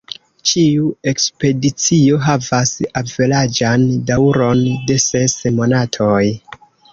Ĉiu ekspedicio havas averaĝan daŭron de ses monatoj.